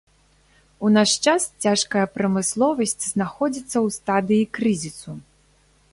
У наш час цяжкая прамысловасць знаходзіцца ў стадыі крызісу.